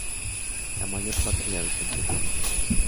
La mayor parte de habitantes son cristianos.